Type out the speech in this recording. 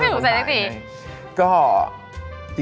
ไม่ถูกใจซักที